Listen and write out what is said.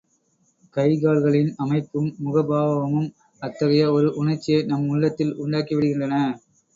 கைகால்களின் அமைப்பும் முகபாவமும் அத்தகைய ஒரு உணர்ச்சியை நம் உள்ளத்தில் உண்டாக்கிவிடுகின்றன.